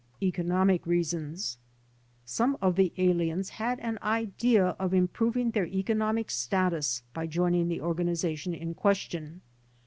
Bconomic Reasons Some of the aliens had an idea of improving their economic status by joining the organization in question.